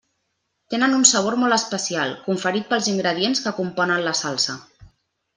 Tenen un sabor molt especial, conferit pels ingredients que componen la salsa.